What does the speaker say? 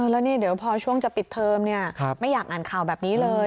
แล้วนี่เดี๋ยวพอช่วงจะปิดเทอมไม่อยากอ่านข่าวแบบนี้เลย